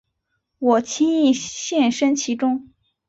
我轻易陷身其中